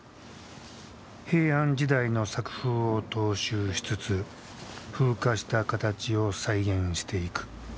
平安時代の作風を踏襲しつつ風化した形を再現していく。